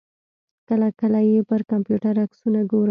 کله کله یې پر کمپیوټر عکسونه ګورم.